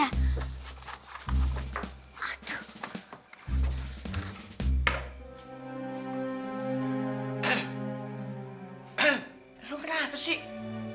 ehem ehem lu kenapa sih